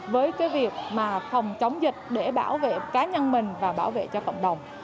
với việc phòng chống dịch để bảo vệ cá nhân mình và bảo vệ cho cộng đồng